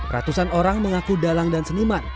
ratusan orang mengaku dalang dan seniman